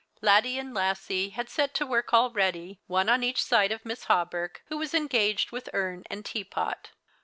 Laddie and Lassie had set to work already, one on each side of Miss Hawberk, who was engaged with urn and teapot.